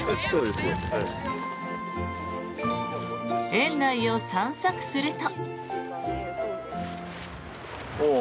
園内を散策すると。